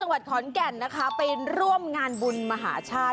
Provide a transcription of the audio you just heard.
จังหวัดขอนแก่นนะคะไปร่วมงานบุญมหาชาติ